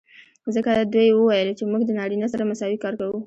ځکه دوي وويل چې موږ د نارينه سره مساوي کار کو.